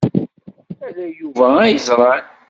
Ala Yuba ay yeẓran.